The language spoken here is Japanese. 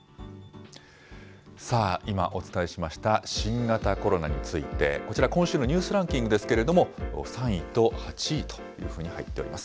さあ、今、お伝えしました新型コロナについて、こちら、今週のニュースランキングですけれども、３位と８位というふうに入っております。